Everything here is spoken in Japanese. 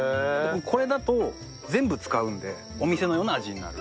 これだと全部使うのでお店のような味になる。